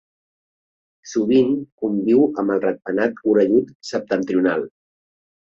Sovint conviu amb el ratpenat orellut septentrional.